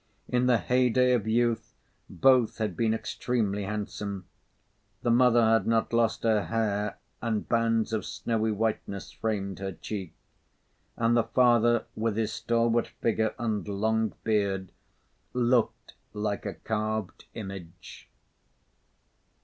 In the heyday of youth, both had been extremely handsome. The mother had not lost her hair, and bands of snowy whiteness framed her cheeks; and the father, with his stalwart figure and long beard, looked like a carved image.